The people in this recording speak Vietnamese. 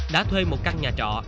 đã thuê một căn nhà trọ